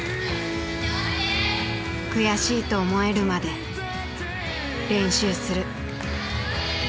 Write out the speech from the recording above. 悔しいと思えるまで練習する。